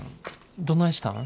どないしたん？